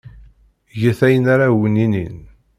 Get ayen ara awen-inin.